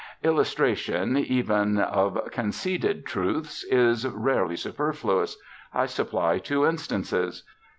Illustration, even of conceded truths, is rarely superfluous. I supply two instances.